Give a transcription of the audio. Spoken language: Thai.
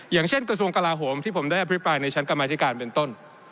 อย่างเช่นกระทรวงกลาโหมที่ผมได้อภิปรายในชั้นกรรมธิการเป็นต้น